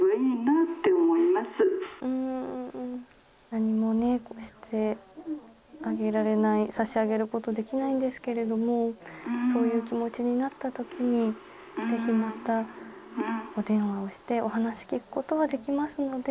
何もね、してあげられない、さしあげることできないんですけれども、そういう気持ちになったときに、ぜひまた、お電話をしてお話聞くことはできますので。